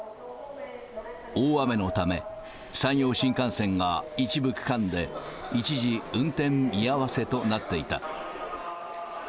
大雨のため、山陽新幹線が一部区間で一時運転見合わせとなっていた。